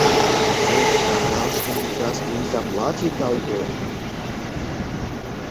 Отец сказал, что не даст и не заплатит долгов.